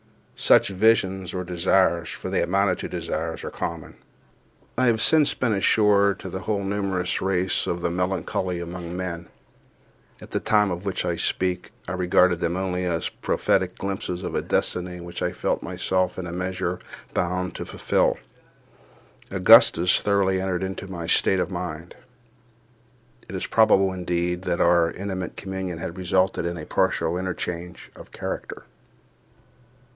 Such visions or desires—for they amounted to desires—are common, I have since been assured, to the whole numerous race of the melancholy among men—at the time of which I speak I regarded them only as prophetic glimpses of a destiny which I felt myself in a measure bound to fulfil. Augustus thoroughly entered into my state of mind. It is probable, indeed, that our intimate communion had resulted in a partial interchange of character.